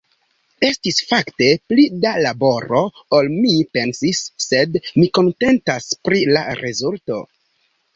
Estis fakte pli da laboro ol mi pensis, sed mi kontentas pri la rezulto!